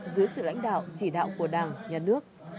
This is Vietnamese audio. dưới sự lãnh đạo chỉ đạo của đảng nhà nước